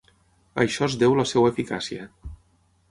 A això es deu la seva eficàcia.